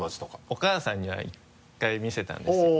お母さんには１回見せたんですよ。